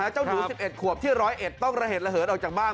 เจ้านู๑๑ขวบที่ร้อยเอ็ดต้องระเหตุระเหิดออกจากบ้าง